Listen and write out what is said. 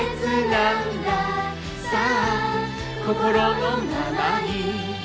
「さあ心のままに」